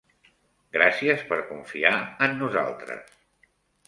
Gràcies per confiar en nosaltres.